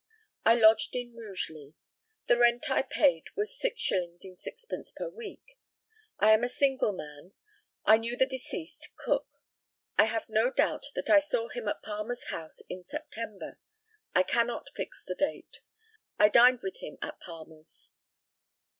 I lodged in Rugeley. The rent I paid was 6_s._ 6_d._ per week. I am a single man. I knew the deceased Cook. I have no doubt that I saw him at Palmer's house in September. I cannot fix the date. I dined with him at Palmer's.